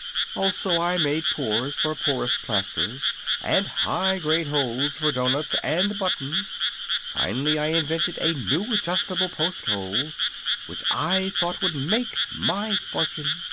Also I made pores for porous plasters and high grade holes for doughnuts and buttons. Finally I invented a new Adjustable Post hole, which I thought would make my fortune.